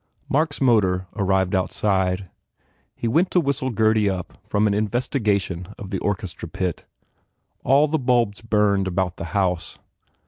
Mark s motor arrived outside. He went to whistle Gurdy up from an investigation of the orchestra pit. All the bulbs burned about the house.